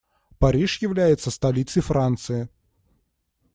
Париж является столицей Франции.